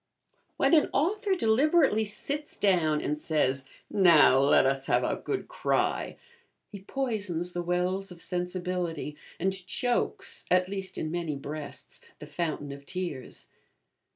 When an author deliberately sits down and says, 'Now, let us have a good cry,' he poisons the wells of sensibility and chokes, at least in many breasts, the fountain of tears.